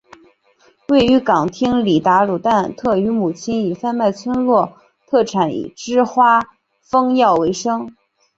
位于港町里达鲁旦特与母亲以贩卖村落特产之花封药为生。